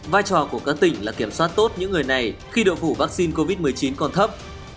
vai trò của các tỉnh là kiểm soát tốt những người này khi độ phủ vaccine covid một mươi chín còn thấp